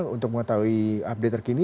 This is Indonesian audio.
untuk mengetahui update terkini